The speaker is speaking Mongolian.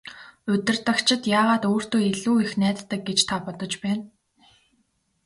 Удирдагчид яагаад өөртөө илүү их найддаг гэж та бодож байна?